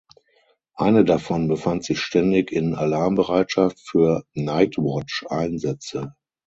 Eine davon befand sich ständig in Alarmbereitschaft für "Night-Watch"-Einsätze.